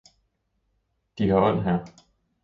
De har ånd, hr.